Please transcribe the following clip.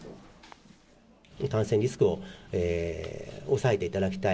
感染リスクを抑えていただきたい。